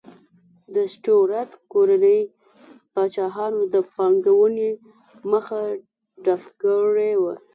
د سټیورات کورنۍ پاچاهانو د پانګونې مخه ډپ کړې وه.